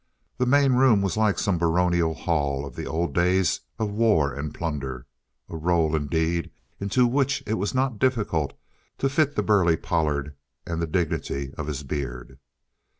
The main room was like some baronial hall of the old days of war and plunder. A role, indeed, into which it was not difficult to fit the burly Pollard and the dignity of his beard.